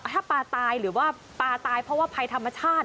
ถ้าปลาตายหรือว่าปลาตายเพราะว่าภัยธรรมชาติ